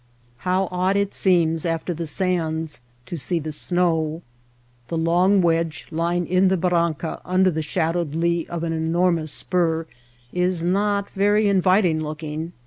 How odd it seems after the sands to see the snow. The long wedge lying in the barranca under the shadowed lee of an enormous spur is not very inviting looking.